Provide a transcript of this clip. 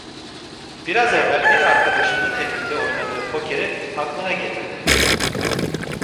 Biraz evvel bir arkadaşının evinde oynadığı pokeri aklına getirdi.